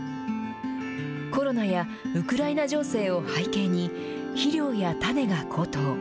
コロナ禍やウクライナ情勢を背景に、肥料や種が高騰。